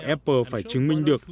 apple phải chứng minh được